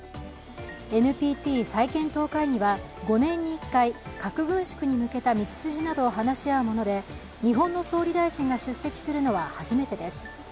ＮＰＴ再検討会議は５年に１回、核軍縮に向けた道筋などを話し合うもので、日本の総理大臣が出席するのは初めてです。